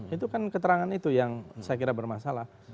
itu kan keterangan itu yang saya kira bermasalah